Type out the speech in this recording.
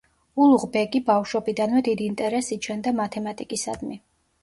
ულუღ ბეგი ბავშვობიდანვე დიდ ინტერესს იჩენდა მათემატიკისადმი.